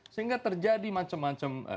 sehingga terjadi macam macam